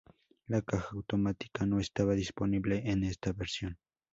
La caja automática no estaba disponible en esta versión.